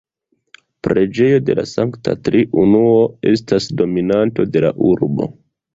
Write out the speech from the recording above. Preĝejo de la Sankta Triunuo estas dominanto de la urbo.